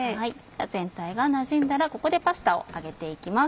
全体がなじんだらここでパスタをあげて行きます。